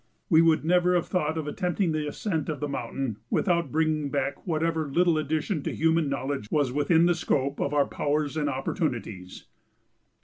We would never have thought of attempting the ascent of the mountain without bringing back whatever little addition to human knowledge was within the scope of our powers and opportunities.